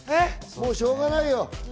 もうしょうがないよ。